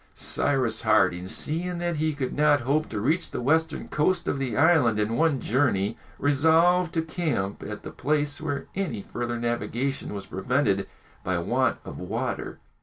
Cyrus Harding, seeing that he could not hope to reach the western coast of the island in one journey, resolved to camp at the place where any further navigation was prevented by want of water.